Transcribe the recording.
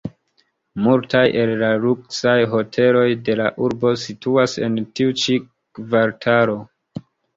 Multaj el la luksaj hoteloj de la urbo situas en tiu ĉi kvartalo.